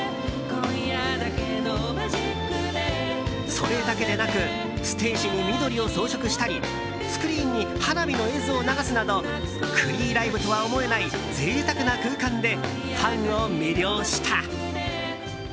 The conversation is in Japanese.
それだけでなくステージに緑を装飾したりスクリーンに花火の映像を流すなどフリーライブとは思えない贅沢な空間でファンを魅了した。